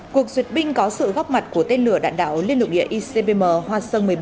cuộc duyệt binh có sự góp mặt của tên lửa đạn đạo liên lục địa icbm hoa sơn một mươi bốn